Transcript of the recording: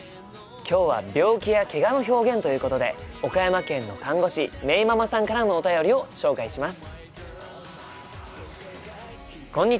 今日は病気やけがの表現ということで岡山県の看護師めいママさんからのお便りを紹介します。